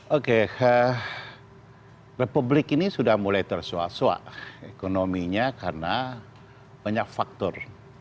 oke republik ini sudah mulai tersua sua ekonominya karena banyak faktor